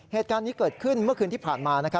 เหตุการณ์นี้เกิดขึ้นเมื่อคืนที่ผ่านมา